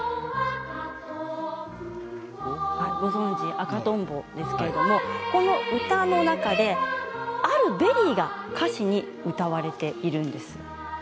「赤とんぼ」この歌の中であるベリーが歌詞に歌われているんです。